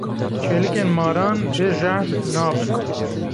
Çêlikên maran bêjehr nabin.